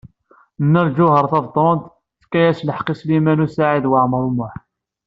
Nna Lǧuheṛ Tabetṛunt tefka-as lḥeqq i Sliman U Saɛid Waɛmaṛ U Muḥ.